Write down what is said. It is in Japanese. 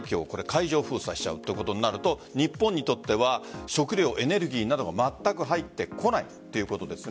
海上封鎖しちゃうということになると日本にとっては食料、エネルギーなどがまったく入ってこないということです。